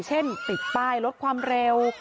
เช่นติดป้ายรถความเร็ว